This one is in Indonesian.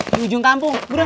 di ujung kampung bro